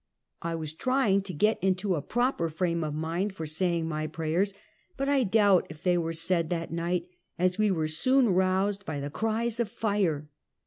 I was trying to get into a proper frame of mind for saying my prayers, but I doubt if they were said that night, as we were soon aroused by the cries of fire.